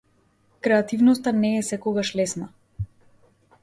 Креативноста не е секогаш лесна.